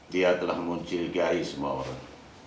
dia telah muncul gaya semua orang